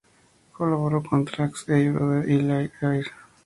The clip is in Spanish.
Colaboró en los tracks "Hey Brother" y "Liar Liar".